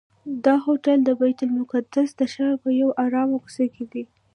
دا هوټل د بیت المقدس د ښار په یوه آرامه کوڅه کې دی.